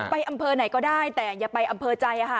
อำเภอไหนก็ได้แต่อย่าไปอำเภอใจค่ะ